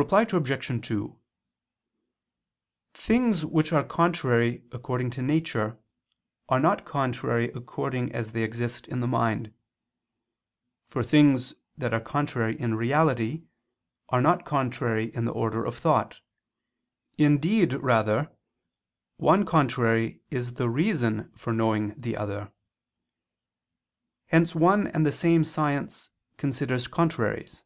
Reply Obj. 2: Things which are contrary according to nature are not contrary according as they exist in the mind: for things that are contrary in reality are not contrary in the order of thought; indeed rather is one contrary the reason for knowing the other. Hence one and the same science considers contraries.